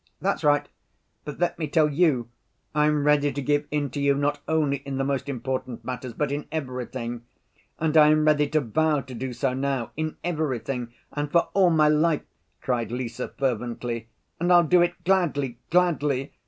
"That's right; but let me tell you I am ready to give in to you not only in the most important matters, but in everything. And I am ready to vow to do so now—in everything, and for all my life!" cried Lise fervently, "and I'll do it gladly, gladly!